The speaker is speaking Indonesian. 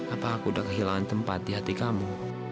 apa aku udah kehilangan tempat di hati kamu